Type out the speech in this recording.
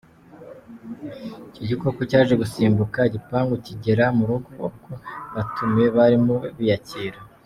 Icyo gikoko cyaje gusimbuka igipangu kigera mu rugo ubwo abatumiwe barimo biyakira.